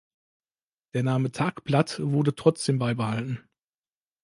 Der Name «Tagblatt» wurde trotzdem beibehalten.